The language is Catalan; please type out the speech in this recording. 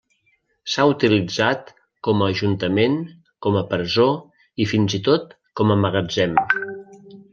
S'ha utilitzat com a Ajuntament, com a presó i fins i tot com a magatzem.